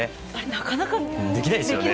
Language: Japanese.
なかなかできないですね。